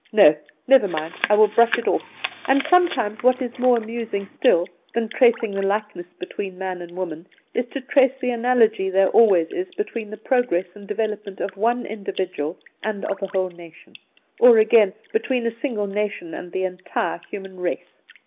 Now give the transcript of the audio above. No, never mind. It will brush off. And sometimes what is more amusing still than tracing the likeness between man and man, is to trace the analogy there always is between the progress and development of one individual and of a whole nation; or, again, between a single nation and the entire human race.